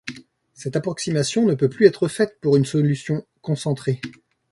Cette approximation ne peut plus être faite pour une solution concentrée.